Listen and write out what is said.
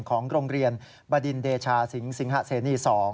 ของโรงเรียนบดินเดชาสิงสิงหะเสนี๒